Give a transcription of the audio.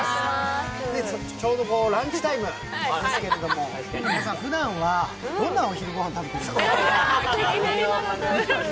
ちょうどランチタイムなんですけれども皆さんふだんはどんなお昼ごはん食べてるんですか？